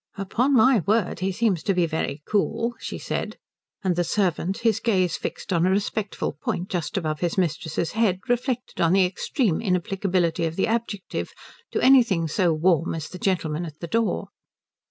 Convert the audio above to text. "Upon my word he seems to be very cool," she said; and the servant, his gaze fixed on a respectful point just above his mistress's head, reflected on the extreme inapplicability of the adjective to anything so warm as the gentleman at the door.